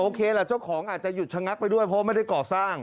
แหละเจ้าของอาจจะหยุดชะงักไปด้วยเพราะว่าไม่ได้ก่อสร้าง